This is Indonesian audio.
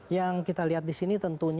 yang kita lihat di sini tentunya